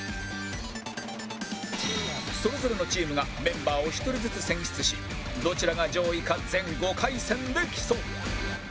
それぞれのチームがメンバーを１人ずつ選出しどちらが上位か全５回戦で競う